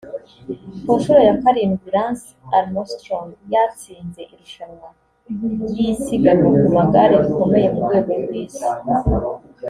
Ku nshuro ya karindwi Lance Armstrong yatsinze irushanwa ry’isiganwa ku magare rikomeye mu rwego rw’isi